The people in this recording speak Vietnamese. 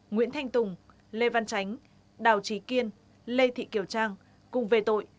nguyễn thanh tùng lê văn chánh đào trí kiên lê thị kiều trang cùng về tội